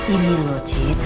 ini loh cit